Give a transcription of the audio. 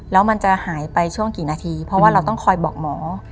แล้วมันจะหายไปช่วงกี่นาทีเพราะว่าเราต้องคอยบอกหมอ